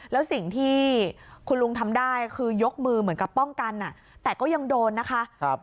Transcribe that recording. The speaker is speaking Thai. แล้วสิ่งที่คุณลุงทำได้คือยกมือเหมือนกับป้องกันแต่ก็ยังโดนนะคะ